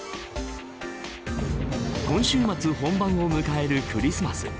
今週末本番を迎えるクリスマス。